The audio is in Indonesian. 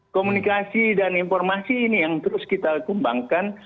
komunikasi dan informasi ini yang terus kita kembangkan